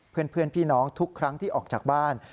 เพื่อนพี่น้องทุกครั้งที่ออกจากบ้าน